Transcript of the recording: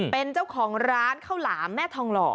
เป็นเจ้าของร้านข้าวหลามแม่ทองหล่อ